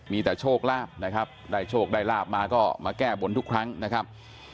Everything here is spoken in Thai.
มีแต่โชคลาภนะครับได้โชคได้ลาบมาก็มาแก้บนทุกครั้งนะครับ